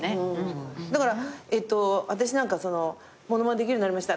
だから私なんか物まねできるようになりました